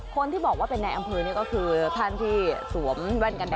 คนที่บอกว่าเป็นในอำเภอนี่ก็คือท่านที่สวมแว่นกันแ